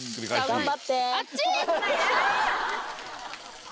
頑張って。